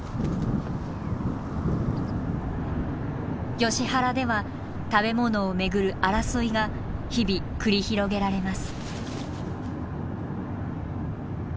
ヨシ原では食べ物をめぐる争いが日々繰り広げられます。